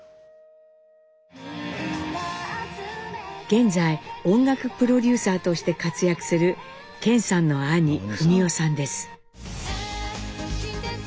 現在音楽プロデューサーとして活躍する顕さんの兄史生さんです。